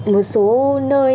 một số nơi